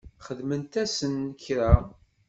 Xedment-asen kra?